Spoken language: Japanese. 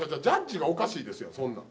ジャッジがおかしいですやん